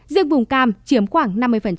riêng vùng cam chiếm khoảng năm mươi